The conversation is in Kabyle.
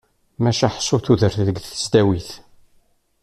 Maca ḥsu tudert deg tesdawit.